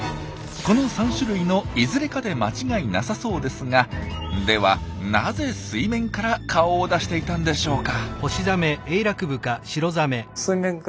この３種類のいずれかで間違いなさそうですがではなぜ水面から顔を出していたんでしょうか？